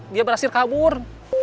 dia berhasil kabur